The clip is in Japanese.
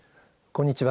こんにちは。